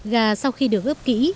gà sau khi được ướp kỹ